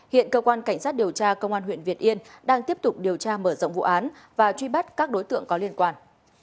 hiện cơ quan cảnh sát điều tra công an huyện việt yên đang tiếp tục điều tra mở rộng vụ án và truy bắt các đối tượng có liên quan